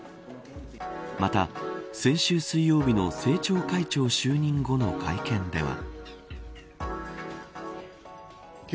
また、先週水曜日の政調会長就任後の会見では。